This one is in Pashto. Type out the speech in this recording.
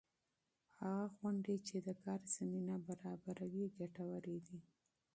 هغه پروګرام چې د کار زمینه برابروي ګټور دی.